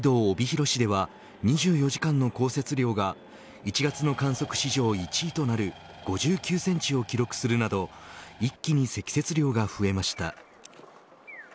北海道帯広市では２４時間の降雪量が１月の観測史上１位となる５９センチを記録するなど一気に積雪量が増えました。